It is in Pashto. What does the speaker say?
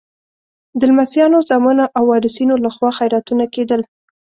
د لمسیانو، زامنو او وارثینو لخوا خیراتونه کېدل.